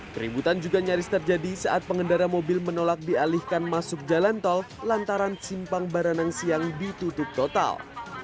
keributan juga nyaris terjadi saat pengendara mobil menolak dialihkan masuk jalan tol lantaran simpang baranang siang ditutup total